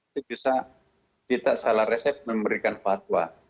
itu bisa kita salah resep memberikan fatwa